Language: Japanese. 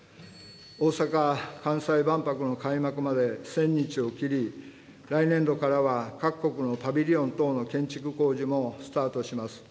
大阪・関西万博の開幕まで１０００日を切り、来年度からは各国のパビリオン等の建築工事もスタートします。